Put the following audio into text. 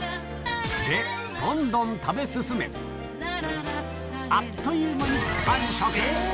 で、どんどん食べ進め、あっという間に完食。